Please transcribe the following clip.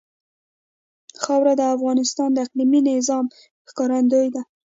خاوره د افغانستان د اقلیمي نظام ښکارندوی ده.